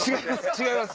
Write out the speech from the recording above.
違います。